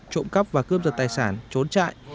trộm cắp và cướp giật tài sản trốn chạy